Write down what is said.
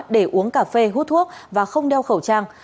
để uống cà phê hút thuốc và không đeo khẩu trang